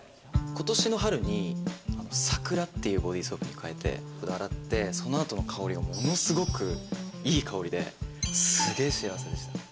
今年の春に、「桜」っていうボディソープに変えて、洗った後の香りがものすごくいい香りで、すげぇ幸せでした。